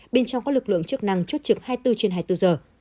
bên trong các lực lượng chức năng chốt trực hai mươi bốn trên hai mươi bốn giờ